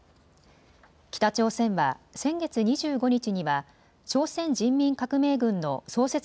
北朝鮮は先月２５日には朝鮮人民革命軍の創設